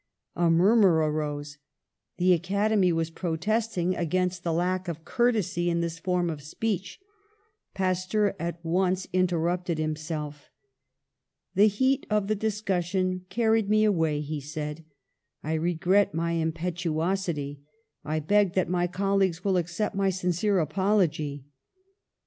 A murmur arose. The Acad emy was protesting against the lack of cour tesy in his form of speech. Pasteur at once interrupted himself. " The heat of the discussion carried me away,' he said; 'I regret my impetuosity. I beg that my colleagues will accept my sincere apology.'